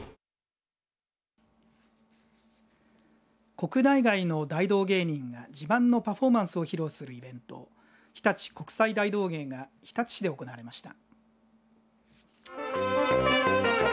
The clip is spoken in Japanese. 国内外の大道芸人が自慢のパフォーマンスを披露するイベントひたち国際大道芸が日立市で行われました。